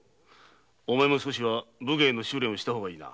お前も少し武芸の修練をしたほうがいいな。